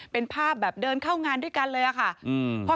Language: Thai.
เป็นภาพแบบเดินเข้างานด้วยกันเลยอะค่ะ